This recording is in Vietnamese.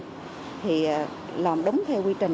thì làm đúng theo quy trình